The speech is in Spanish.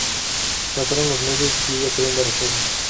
Pasaron los meses y ella quedó embarazada.